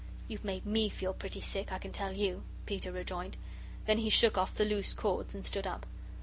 "You've made ME feel pretty sick, I can tell you," Peter rejoined. Then he shook off the loose cords, and stood up.